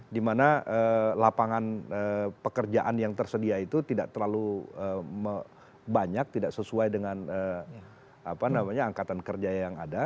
dimana lapangan pekerjaan yang tersedia itu tidak terlalu banyak tidak sesuai dengan angkatan kerja yang ada